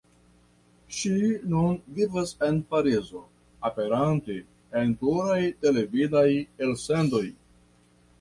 Ŝi nun vivas en Parizo, aperante en pluraj televidaj elsendoj.